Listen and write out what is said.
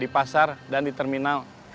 di pasar dan di terminal